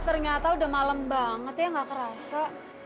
ternyata udah malem banget ya nggak kerasa